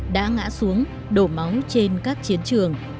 đã ngã xuống đổ máu trên các chiến trường